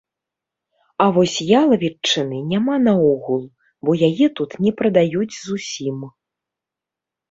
А вось ялавічыны няма наогул, бо яе тут не прадаюць зусім.